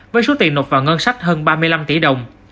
với số tiền nộp vào ngân sách hơn ba mươi năm tỷ đồng